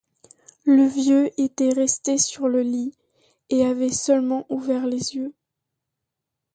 Le vieux était resté sur le lit, et avait seulement ouvert les yeux.